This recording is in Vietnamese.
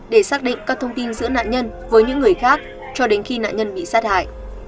để xác định các thông tin giữa nạn nhân với những người khác cho đến khi nạn nhân bị sát hại